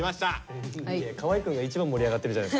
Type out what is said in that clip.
いや河合くんが一番盛り上がってるじゃないですか。